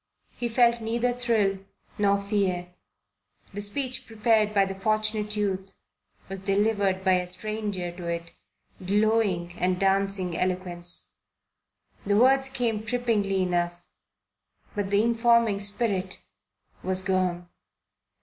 He felt neither thrill nor fear. The speech prepared by the Fortunate Youth was delivered by a stranger to it, glowing and dancing eloquence. The words came trippingly enough, but the informing Spirit was gone.